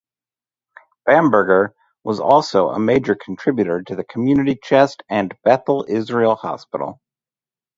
Bamberger was also a major contributor to the Community Chest and Beth Israel Hospital.